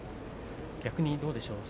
逆にどうでしょうか